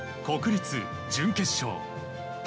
国立準決勝。